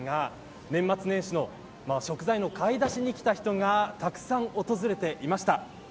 年末年始の食材の買い出しに来た人がたくさん訪れていました。